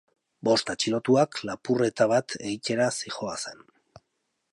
Bost atxilotuak lapurreta bat egitera zihoazen.